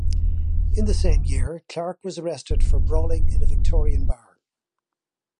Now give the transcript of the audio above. In the same year, Clark was arrested for brawling in a Victorian bar.